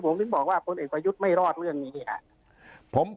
ผมเพิ่งบอกว่าคนอื่นประยุทธ์ไม่รอดเรื่องนี้ค่ะ